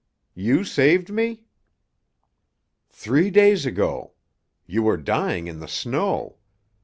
"You saved me?" "Three days ago. You were dying in the snow.